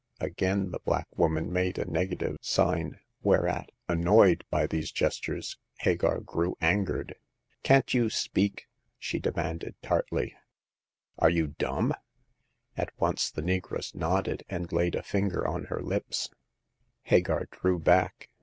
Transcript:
" Again the black woman made a negative sign, whereat, annoyed by these gestures, Hagar grew angered. Can't you speak ?" she demanded, tartly. " Are you dumb ?" At once the negress nodded, and laid a fovgg.t 64 . Hagar of the Pawn Shop. on her lips. Hagar drew back.